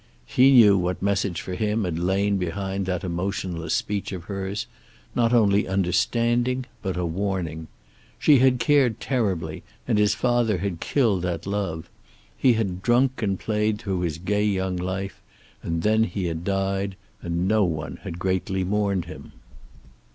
He knew what message for him had lain behind that emotionless speech of hers, not only understanding, but a warning. She had cared terribly, and his father had killed that love. He had drunk and played through his gay young life, and then he had died, and no one had greatly mourned him.